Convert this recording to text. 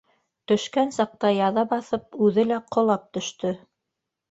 Төшкән саҡта яҙа баҫып, үҙе лә ҡолап төштө.